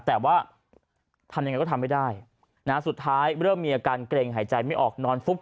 แต่ว่าทำยังไงก็ทำไม่ได้นะสุดท้ายเริ่มมีอาการเกร็งหายใจไม่ออกนอนฟุบ